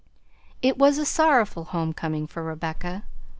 It was a sorrowful home coming for Rebecca.